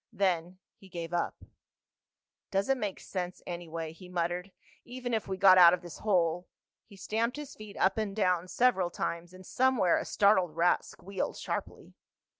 Then he gave up. "Doesn't make any sense, anyway," he muttered. "Even if we got out of this hole—" He stamped his feet up and down several times, and somewhere a startled rat squealed sharply.